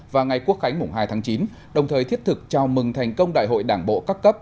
và ngày quốc khánh mùng hai tháng chín đồng thời thiết thực chào mừng thành công đại hội đảng bộ các cấp